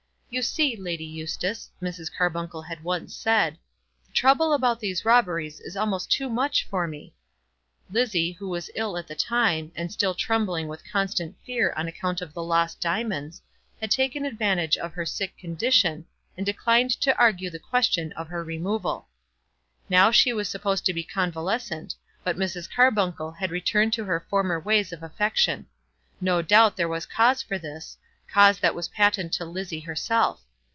"You see, Lady Eustace," Mrs. Carbuncle had once said, "the trouble about these robberies is almost too much for me." Lizzie, who was ill at the time, and still trembling with constant fear on account of the lost diamonds, had taken advantage of her sick condition, and declined to argue the question of her removal. Now she was supposed to be convalescent, but Mrs. Carbuncle had returned to her former ways of affection. No doubt there was cause for this, cause that was patent to Lizzie herself.